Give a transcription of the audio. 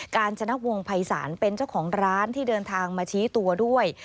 การจนวงภัยศาลเป็นเจ้าของร้านที่เดินทางมาชี้ตัวด้วย